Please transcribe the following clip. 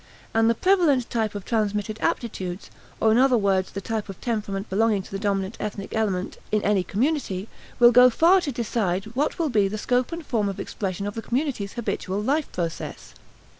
And the prevalent type of transmitted aptitudes, or in other words the type of temperament belonging to the dominant ethnic element in any community, will go far to decide what will be the scope and form of expression of the community's habitual life process.